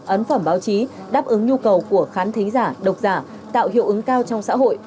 ấn phẩm báo chí đáp ứng nhu cầu của khán thính giả độc giả tạo hiệu ứng cao trong xã hội